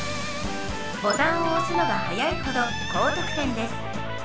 ボタンを押すのが早いほど高得点です。